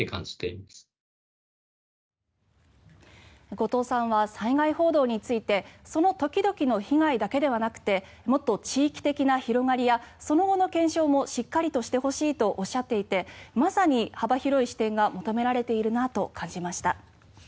後藤さんは災害報道についてその時々の被害だけではなくてもっと地域的な広がりやその後の検証もしっかりとしてほしいとおっしゃっていてまさに幅広い視点が求められているなと感じました。